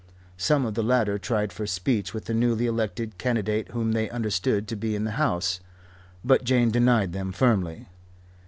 Some of the latter tried for speech with the newly elected candidate whom they understood to be in the house, but Jane denied them firmly.